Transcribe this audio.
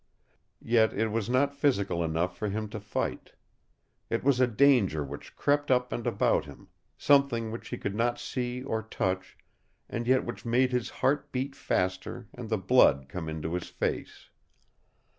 Yet it was not physical enough for him to fight. It was a danger which crept up and about him, something which he could not see or touch and yet which made his heart beat faster and the blood come into his face.